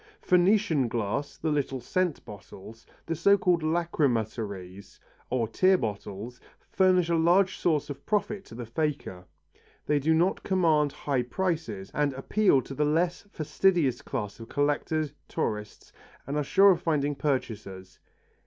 Phœnician glass, the little scent bottles, the so called lachrymatories or tear bottles, furnish a large source of profit to the faker. They do not command high prices, and appeal to the less fastidious class of collectors, tourists, and are sure of finding purchasers.